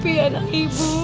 poki anak ibu